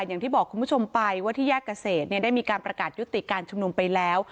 อย่างที่บอกคุณผู้ชมไปว่าที่แยกเกษตรได้มีการประกาศยุติการชุมนุมไปแล้ว